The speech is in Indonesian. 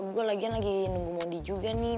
gue lagian lagi nunggu mondi juga nih